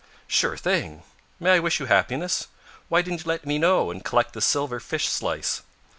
"Sure thing. May I wish you happiness? Why didn't you let me know and collect the silver fish slice?"